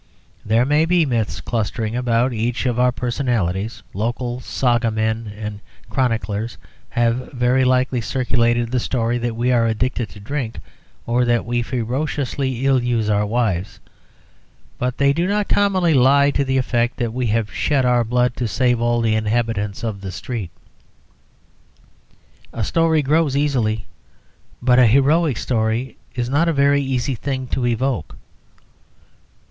There may be myths clustering about each of our personalities; local saga men and chroniclers have very likely circulated the story that we are addicted to drink, or that we ferociously ill use our wives. But they do not commonly lie to the effect that we have shed our blood to save all the inhabitants of the street. A story grows easily, but a heroic story is not a very easy thing to evoke.